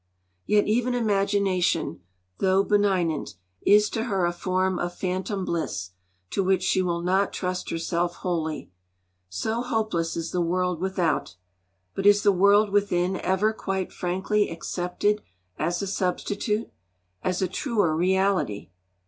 Yet even imagination, though 'benignant,' is to her a form of 'phantom bliss' to which she will not trust herself wholly. 'So hopeless is the world without': but is the world within ever quite frankly accepted as a substitute, as a truer reality?